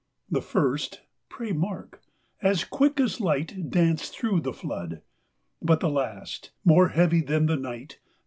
8 The first (pray mark !) as quick as light Danced through the flood ; Hut th' last, more heavy than the night.